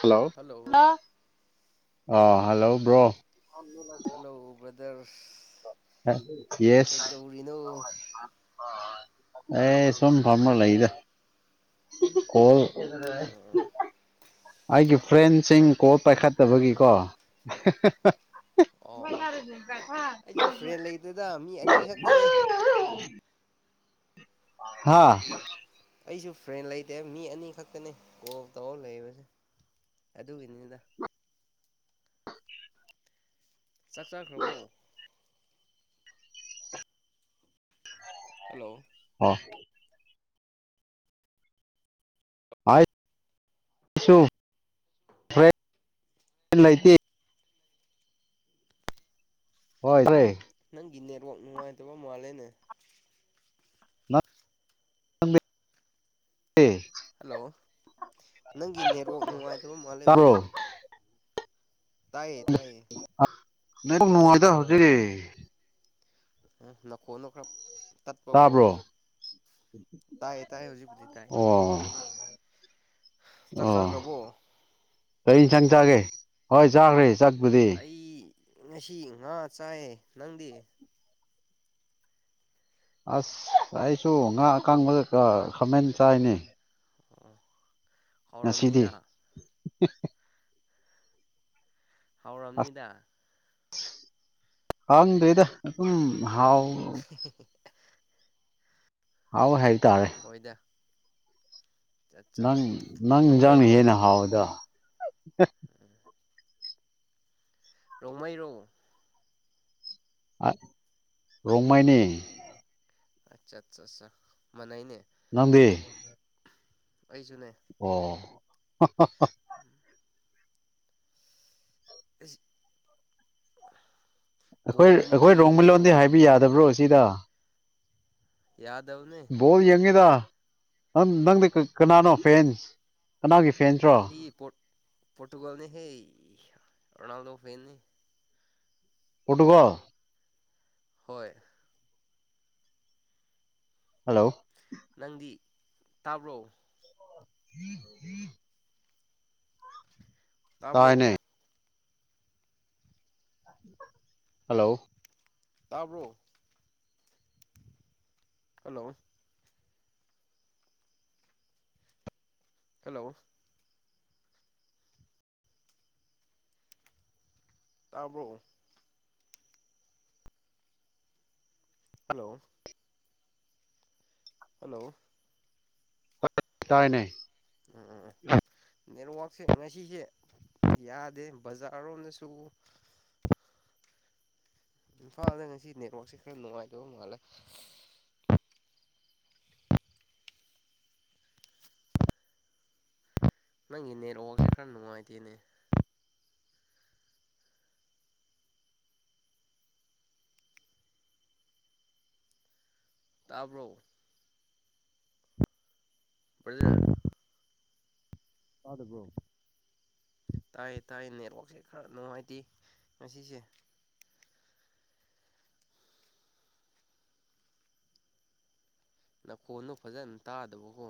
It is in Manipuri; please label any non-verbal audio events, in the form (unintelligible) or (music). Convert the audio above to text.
ꯍꯜꯂꯣ ꯑ hello bro? Hello brother yes ꯀꯩꯗꯧꯔꯤꯅꯣ? ꯑꯦ ꯁꯨꯝ ꯐꯝꯃ ꯂꯩꯗ꯫ ꯀꯣꯜ ꯑꯣ ꯑꯩꯒꯤ ꯐ꯭ꯔꯦꯟꯁꯤꯡ ꯀꯣꯜ ꯄꯥꯏꯈꯠꯇꯕꯒꯤꯀꯣ ꯑꯣ ꯑꯣ ꯑꯩꯁꯨ ꯐ꯭ꯔꯦꯟ ꯂꯩꯗꯦꯗ ꯃꯤ ꯑꯅꯤ ꯈꯛꯇꯅꯦ ꯍꯥꯥ ꯑꯩꯁꯨ ꯐ꯭ꯔꯦꯟ ꯂꯩꯇꯦ ꯃꯤ ꯑꯅꯤ ꯈꯛꯇꯅꯤ ꯀꯣꯜ ꯇꯧꯔ ꯂꯩꯕꯁꯦ ꯑꯗꯨꯒꯤꯅꯤꯗ꯫ ꯆꯥꯛ ꯆꯥꯈ꯭ꯔꯕꯣ? ꯍꯜꯂꯣ ꯑꯥ (unintelligible) ꯍꯣꯏ ꯅꯪꯒꯤ ꯅꯦꯠꯋꯥꯛ ꯅꯨꯡꯉꯥꯏꯇꯕ ꯃꯥꯜꯂꯦꯅꯦ꯫ (unintelligible) ꯍꯜꯂꯣ ꯅꯪꯒꯤ ꯅꯦꯠꯋꯥꯛ ꯅꯨꯡꯉꯥꯏꯇꯕ ꯃꯥꯜꯂꯦ ꯇꯥꯕ꯭ꯔꯣ ꯕ꯭ꯔꯗꯔ ꯇꯥꯏꯌꯦ ꯇꯥꯏꯌꯦ ꯅꯦꯠꯋꯥꯛ ꯅꯨꯡꯉꯥꯏꯇ ꯍꯧꯖꯤꯛ ꯎꯝ ꯅꯈꯣꯟꯗꯣ ꯈꯔ ꯇꯠꯄꯀꯣ ꯇꯥꯕ꯭ꯔꯣ ꯇꯥꯏ ꯇꯥꯏ ꯍꯧꯖꯤꯛꯄꯨꯗꯤ ꯇꯥꯏ ꯑꯣ ꯆꯥꯛ ꯑꯣ ꯆꯥꯈ꯭ꯔꯕꯣ? ꯀꯔꯤ ꯏꯟꯁꯥꯡ ꯆꯥꯒꯦ? ꯍꯣꯏ ꯆꯥꯈ꯭ꯔꯦ꯫ ꯆꯥꯛꯄꯨꯗꯤ ꯑꯩ ꯉꯁꯤ ꯉꯥ ꯆꯥꯏꯌꯦ꯫ ꯅꯪꯗꯤ? ꯑꯁ ꯑꯩꯁꯨ ꯉꯥ ꯑꯀꯥꯡꯕꯒ ꯈꯥꯃꯦꯟ ꯆꯥꯏꯅꯦ꯫ (unintelligible) ꯉꯁꯤꯗꯤ? ꯍꯥꯎꯔꯝꯅꯤꯗ ꯍꯥꯎꯔꯝꯅꯤꯗ꯫ ꯍꯥꯡꯗ꯭ꯔꯦꯗ ꯑꯗꯨꯝ ꯍꯥꯎ (unintelligible) ꯍꯥꯎꯋꯦ ꯍꯥꯏꯇꯥꯔꯦ꯫ ꯍꯣꯏꯗ ꯑꯠꯆꯥ ꯅꯪ -ꯅꯪ ꯏꯖꯥꯡꯅ ꯔꯣꯡꯃꯩꯔꯣ ꯍꯦꯟꯅ ꯍꯥꯎꯏꯗ꯫ (unintelligible) ꯔꯣꯡꯃꯩ ꯔꯣ? ꯔꯣꯡꯃꯩꯅꯦ꯫ ꯑꯆꯥ-ꯆ-ꯆ ꯃꯅꯩꯅꯦ꯫ ꯅꯪꯗꯤ? ꯑꯩꯁꯨꯅꯦ꯫ (unintelligible) (unintelligible) ꯑꯩꯈꯣꯏ ꯕꯣꯜꯒꯨꯝꯕꯗꯤ ꯑꯩꯈꯣꯏ ꯔꯣꯡꯃꯩ ꯌꯦꯡꯕ꯭ꯔꯣ ꯂꯣꯟꯗꯤ ꯍꯥꯏꯕ ꯌꯥꯗꯕ꯭ꯔꯣ ꯁꯤꯗ? ꯌꯥꯗꯕꯅꯦ꯫ ꯕꯣꯜ ꯌꯦꯡꯉꯤꯗ ꯅꯪ- ꯅꯪꯗꯤ ꯀꯅꯥꯅꯣ ꯑꯥ ꯐꯦꯟ ꯀꯅꯥꯒꯤ ꯐꯦꯟꯁ ꯑꯩ ꯄꯣꯔꯠ -ꯄꯣꯔꯠꯇꯨꯒꯜꯅꯦ ꯍꯦ ꯔꯣꯅꯥꯜꯗꯣ ꯐꯦꯟꯅꯤ꯫ ꯄꯣꯔꯠꯇꯨꯒꯜ? ꯍꯣꯏ ꯍꯜꯂꯣ ꯅꯪꯗꯤ ꯇꯥꯕ꯭ꯔꯣ? (inaudible) ꯇꯥꯕ꯭ꯔꯣ? ꯇꯥꯏꯅꯦ ꯍꯜꯂꯣ ꯇꯥꯕ꯭ꯔꯣ? ꯍꯜꯂꯣ! ꯍꯜꯂꯣ! ꯇꯥꯕ꯭ꯔꯣ? ꯍꯜꯂꯣ! ꯍꯜꯂꯣ! ꯇꯥꯏꯅꯦ꯫ (unintelligible) ꯅꯦꯠꯋꯥꯛꯁꯦ ꯉꯁꯤꯁꯦ ꯌꯥꯗꯦ ꯕꯖꯥꯔꯔꯣꯝꯗꯁꯨ, ꯏꯝꯐꯥꯜꯗ ꯉꯁꯤ ꯅꯦꯠꯋꯥꯛꯁꯦ ꯈꯔ ꯅꯨꯡꯉꯥꯏꯇꯕ ꯃꯥꯜꯂꯦ꯫ ꯅꯪꯒꯤ ꯅꯦꯠꯋꯥꯛꯁꯦ ꯈꯔ ꯅꯨꯡꯉꯥꯏꯇꯦꯅꯦ꯫ ꯇꯥꯕ꯭ꯔꯣ? ꯕ꯭ꯔꯥꯗꯔ ꯇꯗꯕ꯭ꯔꯣ? ꯇꯥꯏ ꯇꯥꯏ ꯅꯦꯠꯋꯥꯛꯁꯦ ꯈꯔ ꯅꯨꯡꯉꯥꯏꯇꯦ ꯉꯁꯤꯁꯦ꯫ ꯅꯈꯣꯟꯗꯣ ꯐꯖꯅ ꯇꯥꯗꯕꯀꯣ꯫